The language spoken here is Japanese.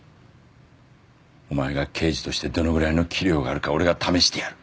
お前が刑事としてどのぐらいの器量があるか俺が試してやる。